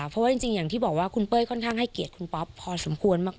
เพราะว่าจริงอย่างที่บอกว่าคุณเป้ยค่อนข้างให้เกียรติคุณป๊อปพอสมควรมาก